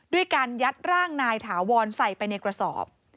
ด้วยการยัดร่างนายถาวรใส่ไปในกระสอบ